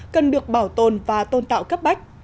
cần được bảo tồn và tôn tạo cấp bách